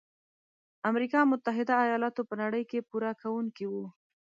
امریکا متحد ایلاتو په نړۍ کې پوره کوونکي وو.